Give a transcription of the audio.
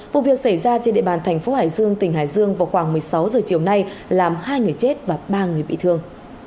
vụ việc xảy ra trên địa bàn thành phố hải dương tỉnh hải dương vào khoảng một mươi sáu h chiều nay làm hai người chết và ba người bị thương